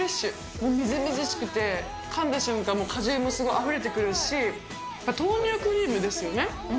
もうみずみずしくて、かんだ瞬間、もう果汁も、すごいあふれてくるし、豆乳クリームですよね。